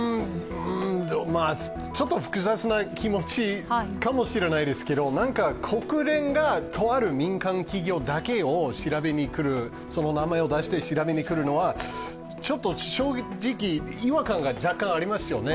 ちょっと複雑な気持ちかもしれないですけど、なんか国連がとある民間企業だけを調べに来る、その名前を出して調べに来るのは正直、違和感が若干ありますよね。